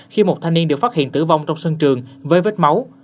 khi một thanh niên được phát hiện tử vong trong sân trường với vết máu